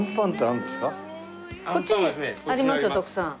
こっちにありますよ徳さん。